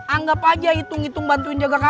anggap aja hitung hitung bantuin jalan itu ya